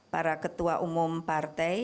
para ketua umum partai